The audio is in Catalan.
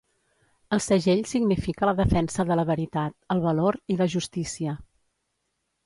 El segell significa la defensa de la veritat, el valor i la justícia.